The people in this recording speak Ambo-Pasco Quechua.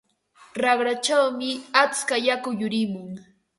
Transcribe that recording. Raqrachawmi atska yaku yurimun.